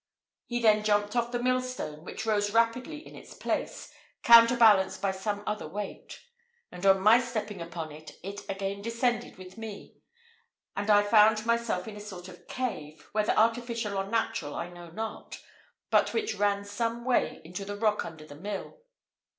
He then jumped off the millstone, which rose up rapidly in its place, counterbalanced by some other weight; and on my stepping upon it, it again descended with me, when I found myself in a sort of cave, whether artificial or natural I know not, but which ran some way into the rock under the mill.